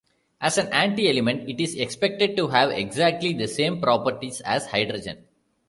As an antielement, it is expected to have exactly the same properties as hydrogen.